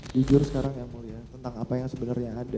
jujur sekarang ya mulia tentang apa yang sebenarnya ada